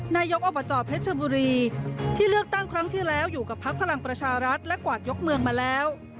นายกอบจเพชรบุรีที่เลือกตั้งครั้งที่แล้วอยู่กับพักพลังประชารัฐและกวาดยกเมืองมาแล้ว